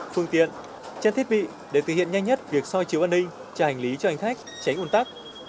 phương tiện trang thiết bị để thực hiện nhanh nhất việc soi chiếu an ninh trả hành lý cho hành khách tránh ủn tắc